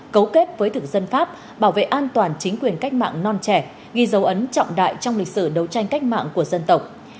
cấu kết với thực dân pháp bảo vệ an toàn chính quyền cách mạng non trẻ ghi dấu ấn trọng đại trong lịch sử đấu tranh cách mạng của dân tộc